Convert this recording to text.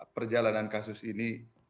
perjalanan kasus ini